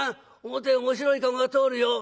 表に面白い駕籠が通るよ。